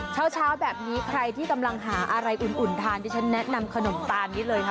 เช้าแบบนี้ใครที่กำลังหาอะไรอุ่นทานที่ฉันแนะนำขนมตาลนี้เลยนะ